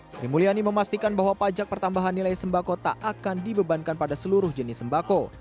sri mulyani memastikan bahwa pajak pertambahan nilai sembako tak akan dibebankan pada seluruh jenis sembako